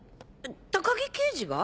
高木刑事が？